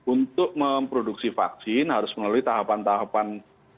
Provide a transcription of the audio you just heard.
untuk memproduksi vaksin harus melalui tahapan tahapan